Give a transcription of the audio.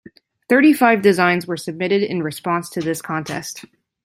Thirty-five designs were submitted in response to this contest.